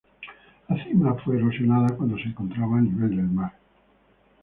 La cima fue erosionada cuando se encontraba a nivel del mar.